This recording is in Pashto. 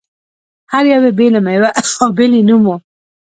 هر یوې بېله مېوه او بېل یې نوم و.